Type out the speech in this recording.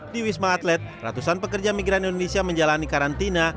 di wisma atlet ratusan pekerja migran indonesia menjalani karantina